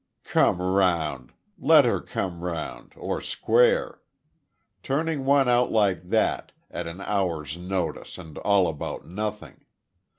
"Come round! Let her come round or square. Turning one out like that at an hour's notice and all about nothing.